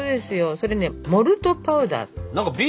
それねモルトパウダー。